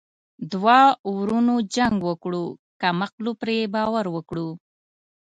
ـ دوه ورونو جنګ وکړو کم عقلو پري باور وکړو.